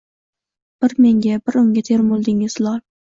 Bir menga, bir unga termuldingiz lol.